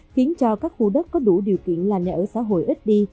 khiến cho các khu đất có đủ điều kiện là nhà ở xã hội ít đi